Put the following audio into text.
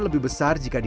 lebih jauh dari kemari